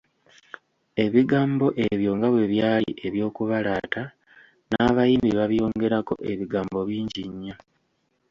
Ebigambo ebyo nga bwe byali eby'okubalaata, n'abayimbi babyongerako ebigambo bingi nnyo.